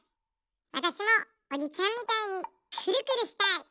わたしもおじちゃんみたいにくるくるしたい！